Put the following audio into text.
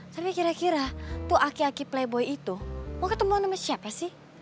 tapi kira kira tuh aki aki playboy itu mau ketemu sama siapa sih